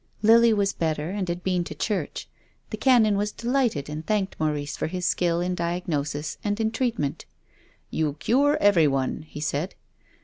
Lily was better and had been to church. The Canon was delighted and thanked Maurice for his skill in diagnosis and in treatment. " You cure everyone," he said.